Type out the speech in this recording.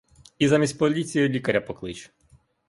І замість поліції лікаря поклич.